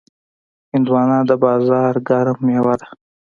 هندوانه د بازار ګرم میوه ده.